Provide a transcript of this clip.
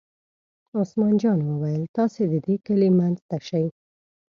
عثمان جان وویل: تاسې د دې کلي منځ ته شئ.